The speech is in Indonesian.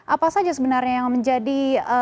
apa saja sebenarnya yang menjadi